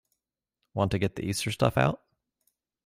Want to get the Easter stuff out?